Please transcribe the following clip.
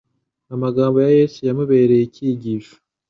Amagambo ya Yesu yamubereye icyigisho